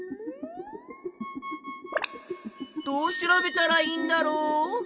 どう調べたらいいんだろう？